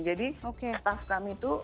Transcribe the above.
jadi pas kami itu